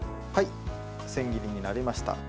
千切りになりました。